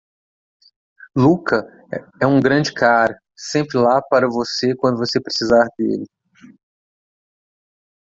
Lucca é um grande cara? sempre lá para você quando você precisar dele.